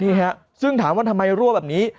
นี่ฮะซึ่งถามว่าทำไมรั่วแบบนี้